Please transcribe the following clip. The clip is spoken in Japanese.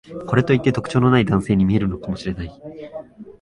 これといって特徴のない男性に見えるかもしれない